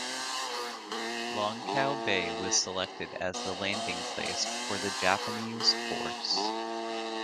Longkiau Bay was selected as the landing place for the Japanese force.